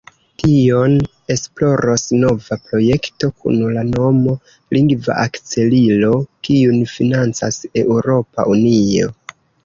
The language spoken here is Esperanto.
Tion esploros nova projekto kun la nomo "Lingva Akcelilo", kiun financas Eŭropa Unio.